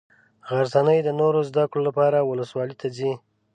غرڅنۍ د نورو زده کړو لپاره ولسوالي ته ځي.